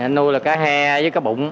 nuôi là cá he với cá bụng